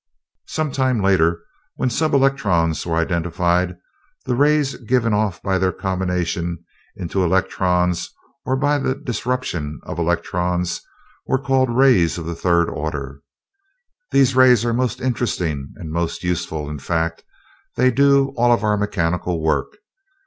"Some time later, when sub electrons were identified the rays given off by their combination into electrons, or by the disruption of electrons, were called rays of the third order. These rays are most interesting and most useful; in fact, they do all our mechanical work.